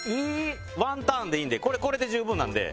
ワンターンでいいんでこれで十分なんで。